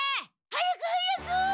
早く早く！